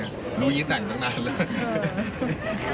รู้อย่างนี้แต่งตั้งนานแล้ว